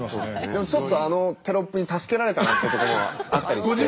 でもちょっとあのテロップに助けられたなってところはあったりして。